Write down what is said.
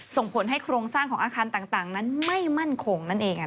ส่งผลให้โครงสร้างของอาคารต่างนั้นไม่มั่นคงนั่นเอง